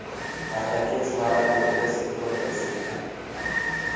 رآجآ ڪيس مهآرآج مئونٚ ڪيسي کبر پڙسيٚ ڪي